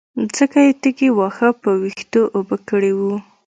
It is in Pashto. ځکه يې تږي واښه په وينو اوبه کړي وو.